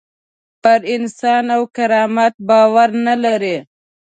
پر انسان او کرامت باور نه لري.